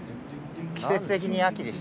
季節的に秋でしょ。